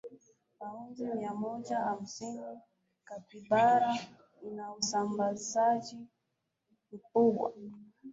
paundi miamoja hamsini capybara ina usambazaji mkubwa